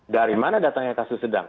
dari mana datangnya kasus sedang